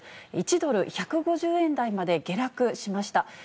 １ドル１５０円台まで下落しました。